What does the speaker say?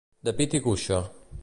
De pit i cuixa.